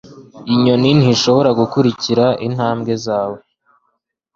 inyoni ntishobora gukurikira intambwe zawe